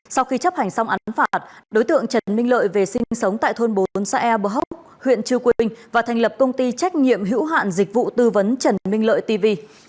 sau khi chấp hành xong án phạt đối tượng trần minh lợi về sinh sống tại thôn bốn xã e bờ hốc huyện chư quynh và thành lập công ty trách nhiệm hữu hạn dịch vụ tư vấn trần minh lợi tv